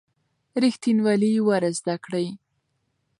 ریښتینولي ور زده کړئ.